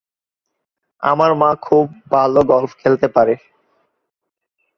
আমার মা খুব ভাল গলফ খেলতে পারে।